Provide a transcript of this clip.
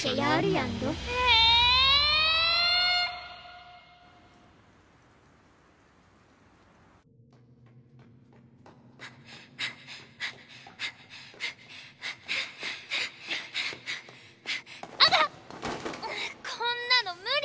んっこんなの無理！